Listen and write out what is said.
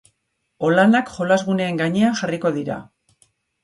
Olanak jolasguneen gainean jarriko dira.